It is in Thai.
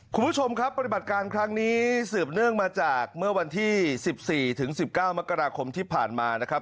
คุณผู้ชมครับปฏิบัติการครั้งนี้สืบเนื่องมาจากเมื่อวันที่๑๔ถึง๑๙มกราคมที่ผ่านมานะครับ